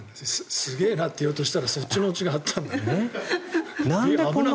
すげえなって言おうとしたらそっちのオチがあったんだ。